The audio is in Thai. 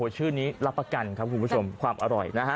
ชื่อนี้รับประกันครับคุณผู้ชมความอร่อยนะฮะ